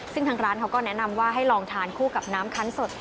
ซึ่งทางร้านเขาก็แนะนำว่าให้ลองทานคู่กับน้ำคันสด